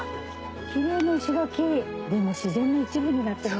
キレイな石垣でも自然の一部になってる。